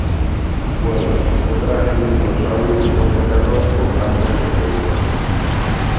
Bueno, yo traje mi dinosaurio que come perros con campos de fuerza.